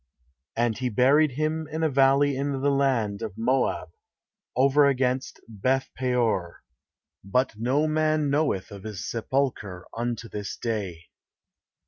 "And he buried him in a valley in the land of Moab, over against Beth peor: but no man knoweth of his sepulchre unto this day."